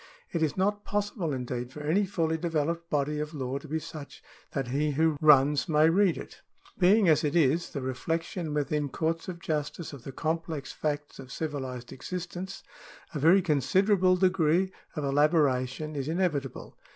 It is not possible, indeed, for any fully developed body of law to be such that he who runs may read it. Being, as it is, the reflection within courts of justice of the complex facts of civilised existence, a very considerable degree of elaboration is inevitable.